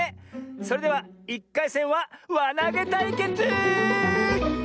それでは１かいせんはわなげたいけつ！